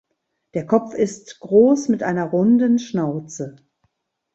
Der Kopf ist groß mit einer runden Schnauze.